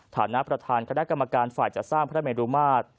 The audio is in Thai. ฐานะประธานคณะกรรมการฝ่ายจัดสร้างพระเมรุมาตร